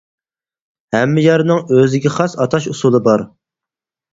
ھەممە يەرنىڭ ئۆزىگە خاس ئاتاش ئۇسۇلى بار.